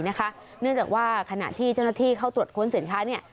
เนื่องจากว่าขณะที่เจ้าหน้าที่เข้าตรวจค้นสินค้า